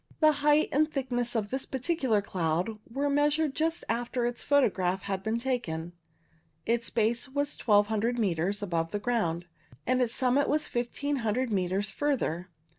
The height and thickness of this particular cloud were measured just after its photograph had been taken. Its base was 1 200 metres above the ground, and its summit was 1500 metres further.